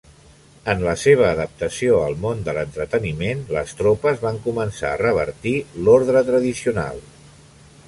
En la seva adaptació al món de l'entreteniment, les tropes van començar a revertir l'ordre tradicional.